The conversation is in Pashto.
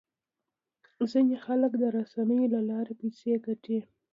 ځینې خلک د رسنیو له لارې پیسې ګټي.